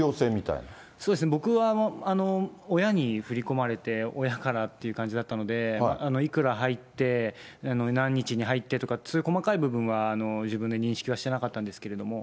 そうですね、僕は親に振り込まれて、親からっていう感じだったので、いくら入って、何日に入ってとかって、そういう細かい部分は自分で認識はしてなかったんですけども。